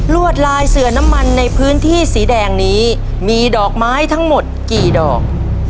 วดลายเสือน้ำมันในพื้นที่สีแดงนี้มีดอกไม้ทั้งหมดกี่ดอก